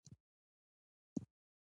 د غزني د زرکشان کان د سرو زرو او مسو دی.